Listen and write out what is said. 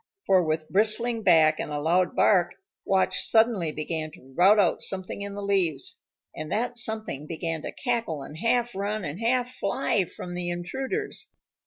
For with bristling back and a loud bark, Watch suddenly began to rout out something in the leaves, and that something began to cackle and half run and half fly from the intruders.